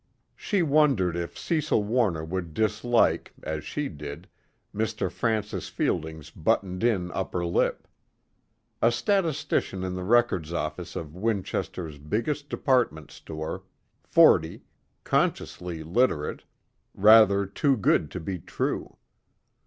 She wondered if Cecil Warner would dislike, as she did, Mr. Francis Fielding's buttoned in upper lip. A statistician in the records office of Winchester's biggest department store, forty, consciously literate, rather too good to be true.